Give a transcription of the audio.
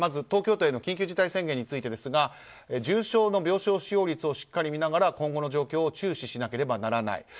東京都への緊急事態宣言についてですが重症の病床使用率をしっかり見ながら今後の状況を注視しなければならない。